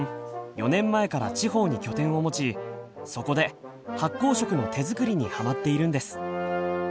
４年前から地方に拠点を持ちそこで発酵食の手作りにハマっているんです。